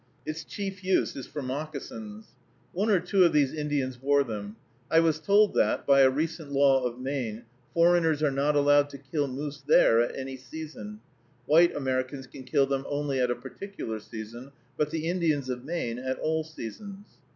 Its chief use is for moccasins. One or two of these Indians wore them. I was told that, by a recent law of Maine, foreigners are not allowed to kill moose there at any season; white Americans can kill them only at a particular season, but the Indians of Maine at all seasons.